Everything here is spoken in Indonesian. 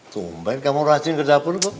sumpah ini kamu rajin ke dapur kok